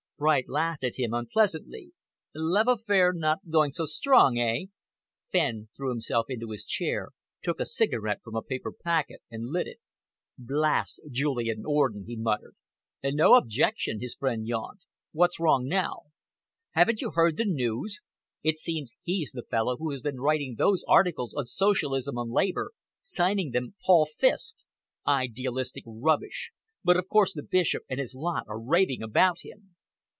Bright laughed at him unpleasantly. "Love affair not going so strong, eh?" Fenn threw himself into his chair, took a cigarette from a paper packet, and lit it. "Blast Julian Orden!" he muttered. "No objection," his friend yawned. "What's wrong now?" "Haven't you heard the news? It seems he's the fellow who has been writing those articles on Socialism and Labour, signing them 'Paul Fiske.' Idealistic rubbish, but of course the Bishop and his lot are raving about him."